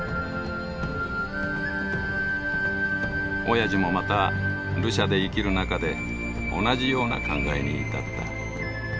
おやじもまたルシャで生きる中で同じような考えに至った。